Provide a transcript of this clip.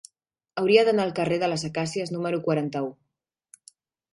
Hauria d'anar al carrer de les Acàcies número quaranta-u.